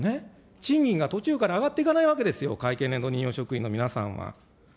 賃金が途中から上がっていかないわけですよ、会計年度任用職員の皆さんが。